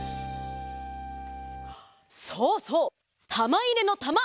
そうそう！たまいれのたま！